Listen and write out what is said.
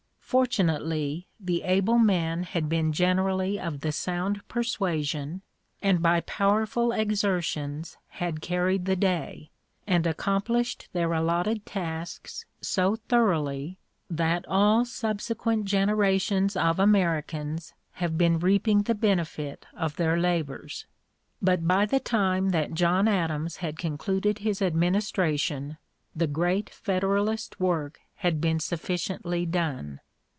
Fortunately the able men had been generally of the sound persuasion, and by powerful exertions had carried the day and accomplished their allotted tasks so thoroughly that all subsequent generations of Americans have been reaping the benefit of their labors. But by the time that John Adams had concluded his administration the great Federalist work had been sufficiently done.